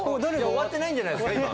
終わってないんじゃないですか？